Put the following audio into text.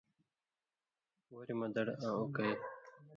وریۡ مہ دڑ آں اوکیۡ۔